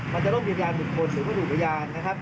มันจะต้องยืนยันเป็นคุณหรือเป็นอุปกรณ์